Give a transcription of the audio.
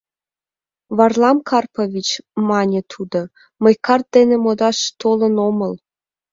— Варлам Карпович, — мане тудо, — мый карт дене модаш толын омыл.